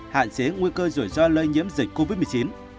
hạn chế nguy cơ rủi ro lây nhiễm dịch covid một mươi chín